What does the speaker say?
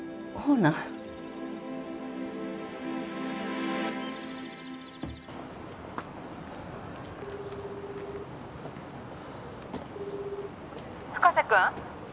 なん☎深瀬君？